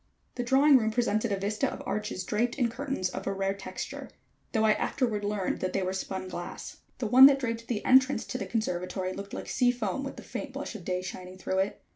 The drawing room presented a vista of arches draped in curtains of a rare texture, though I afterward learned they were spun glass. The one that draped the entrance to the conservatory looked like sea foam with the faint blush of day shining through it.